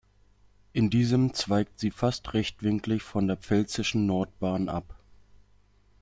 In diesem zweigt sie fast rechtwinklig von der Pfälzischen Nordbahn ab.